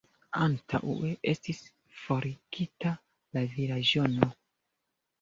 Antaŭe estis forigita la vilaĝano.